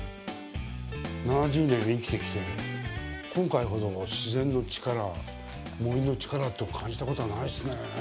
７０年生きてきて今回ほど自然の力、森の力って感じたことはないですね。